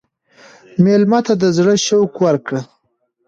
مېلمه ته د زړه شوق ورکړه.